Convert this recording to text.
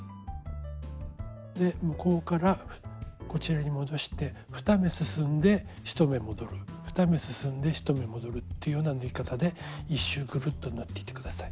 で向こうからこちらに戻して２目進んで１目戻る２目進んで１目戻るというような縫い方で１周グルッと縫っていって下さい。